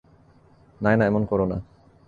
নায়না, এমন করো না।